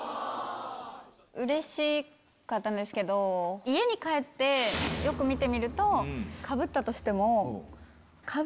うれしかったんですけど家に帰ってよく見てみるとかぶったとしても。